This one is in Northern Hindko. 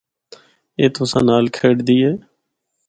اے تُساں نال کِھیڈدی اے۔